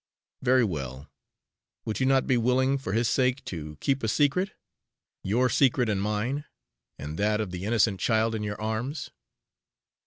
"Very well; would you not be willing, for his sake, to keep a secret your secret and mine, and that of the innocent child in your arms?